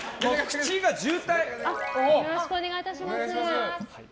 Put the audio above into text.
よろしくお願いします。